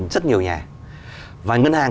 rất nhiều nhà và ngân hàng